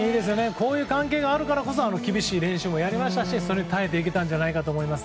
こういう関係があるからこそ厳しい練習もやりましたしそれに耐えていけたと思います。